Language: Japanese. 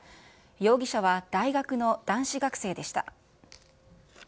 容疑者は大学の男子学生でした。